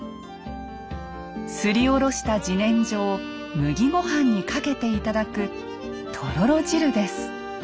すりおろした自然薯を麦御飯にかけて頂くとろろ汁です。